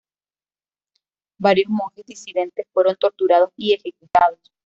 Varios monjes disidentes fueron torturados y ejecutados.